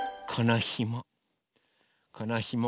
このひも。